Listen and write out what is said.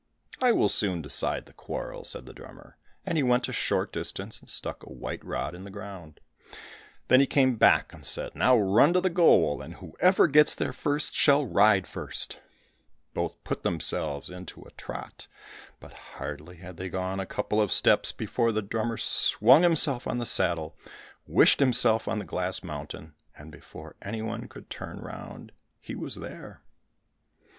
"I will soon decide the quarrel," said the drummer, and he went to a short distance and stuck a white rod in the ground. Then he came back and said, "Now run to the goal, and whoever gets there first, shall ride first." Both put themselves into a trot; but hardly had they gone a couple of steps before the drummer swung himself on the saddle, wished himself on the glass mountain, and before any one could turn round, he was there.